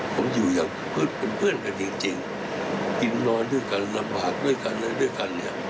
ผมอยู่อย่างเพื่อนเป็นเพื่อนกันจริงกินนอนด้วยกันนำบาดด้วยกัน